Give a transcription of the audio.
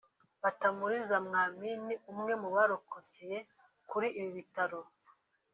Batamuriza Mwamini umwe mu barokokeye kuri ibi bitaro